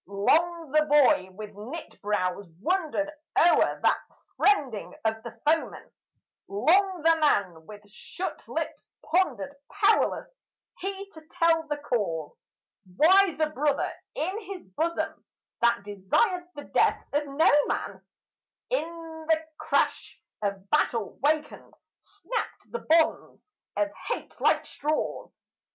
Long the boy with knit brows wondered o'er that friending of the foeman; Long the man with shut lips pondered; powerless he to tell the cause Why the brother in his bosom that desired the death of no man, In the crash of battle wakened, snapped the bonds of hate like straws.